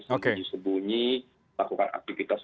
sembunyi sembunyi lakukan aktivitas